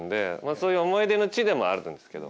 そういう思い出の地でもあるんですけど。